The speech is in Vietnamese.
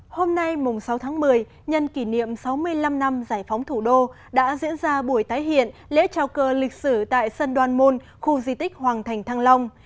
hôm nay sáu tháng một mươi nhân kỷ niệm sáu mươi năm năm giải phóng thủ đô đã diễn ra buổi tái hiện lễ trào cờ lịch sử tại sân đoàn môn khu di tích hoàng thành thăng long